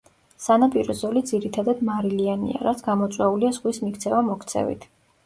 სანაპირო ზოლი ძირითადად მარილიანია, რაც გამოწვეულია ზღვის მიქცევა–მოქცევით.